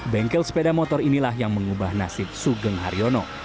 bengkel sepeda motor inilah yang mengubah nasib sugeng haryono